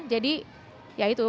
jadi ya itu